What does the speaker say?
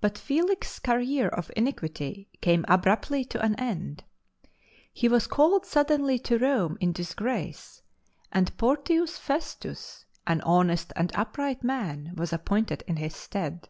But Felix's career of iniquity came abruptly to an end. He was called suddenly to Rome in disgrace, and Portius Festus, an honest and upright man, was appointed in his stead.